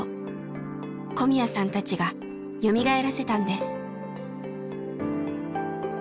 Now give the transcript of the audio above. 小宮さんたちがよみがえらせたんです。